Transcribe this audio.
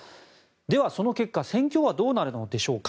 では、その結果戦況はどうなるのでしょうか。